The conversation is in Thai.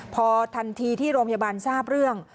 พอทันทีที่โรงพยาบาลทราบเรื่อง